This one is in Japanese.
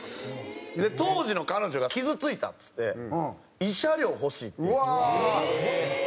当時の彼女が「傷ついた」っつって「慰謝料欲しい」って言い出したんですよ。